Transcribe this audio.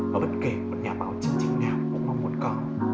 và bất kể một nhà báo chương trình nào cũng mong muốn có